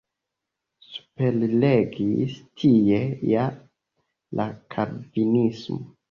Superregis tie ja la Kalvinismo.